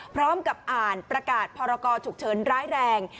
พร้อมกับอ่านประกาศพรกรฉุกเฉินร้ายแรง